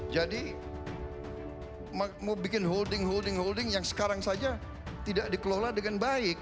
jadi bikin holding holding holding yang sekarang saja tidak dikelola dengan baik